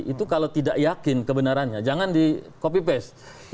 itu kalau tidak yakin kebenarannya jangan di copy paste